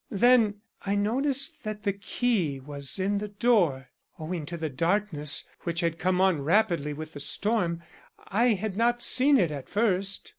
Then I noticed that the key was in the door. Owing to the darkness, which had come on rapidly with the storm, I had not seen it at first.